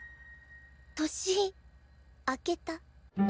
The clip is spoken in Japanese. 年明けた。